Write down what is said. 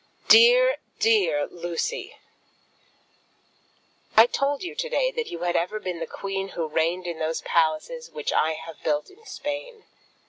DEAR, DEAR LUCY, I told you to day that you had ever been the Queen who reigned in those palaces which I have built in Spain.